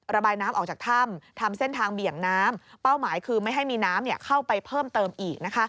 ระบายน้ำออกจากถ้ำทำเส้นทางเบี่ยงน้ำเป้าหมายคือไม่ให้มีน้ำเข้าไปเพิ่มเติมอีก